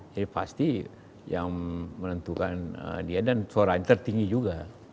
jadi pasti yang menentukan dia dan suaranya tertinggi juga